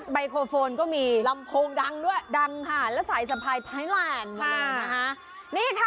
บิโครโฟนก็มีด้วยดังค่ะแล้วสายสะพายไทน์แลนด์มาด้วยนะคะนี่ค่ะ